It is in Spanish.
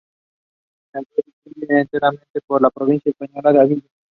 El río discurre enteramente por la provincia española de Ávila.